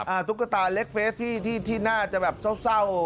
อะตุ๊กตาเล็กเฟซที่ที่ที่หน้าจะแบบเศร้า